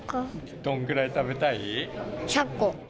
どのぐらい食べたい？